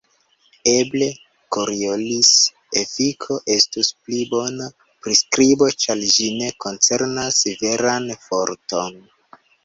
Eble Koriolis-efiko estus pli bona priskribo, ĉar ĝi ne koncernas veran forton.